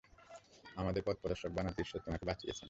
আমাদের পথপ্রদর্শক বানাতে ঈশ্বর তোমাকে বাঁচিয়েছে।